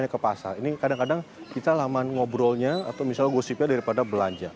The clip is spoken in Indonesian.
kita laman ngobrolnya atau misalnya gosipnya daripada belanja